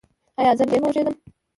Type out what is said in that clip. ایا زه ډیر وغږیدم؟